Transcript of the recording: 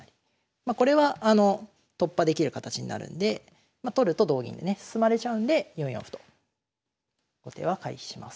まこれはあの突破できる形になるんで取ると同銀でね進まれちゃうんで４四歩と後手は回避します。